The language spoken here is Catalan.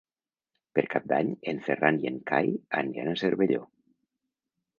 Per Cap d'Any en Ferran i en Cai aniran a Cervelló.